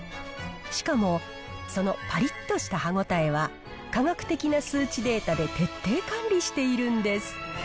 しかも、そのぱりっとした歯応えは科学的な数値データで徹底管理しているんです。